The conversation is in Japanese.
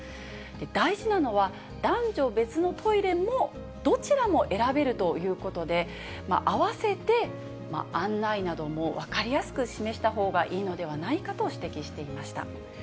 大事なのは、男女別のトイレも、どちらも選べるということで、合わせて案内なども分かりやすく示したほうがいいのではないかと指摘していました。